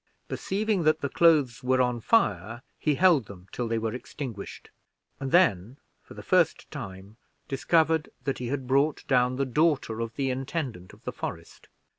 Perceiving that the clothes were on fire, he held them till they were extinguished, and then for the first time discovered that he had brought down the daughter of the intendant of the forest.